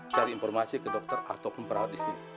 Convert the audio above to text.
cari informasi ke dokter atau pembantu